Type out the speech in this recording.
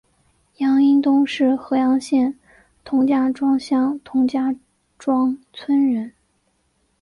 杨荫东是合阳县同家庄乡同家庄村人。